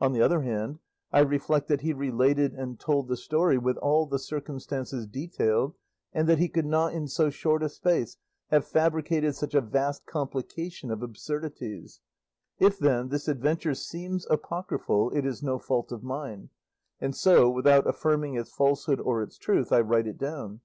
On the other hand, I reflect that he related and told the story with all the circumstances detailed, and that he could not in so short a space have fabricated such a vast complication of absurdities; if, then, this adventure seems apocryphal, it is no fault of mine; and so, without affirming its falsehood or its truth, I write it down.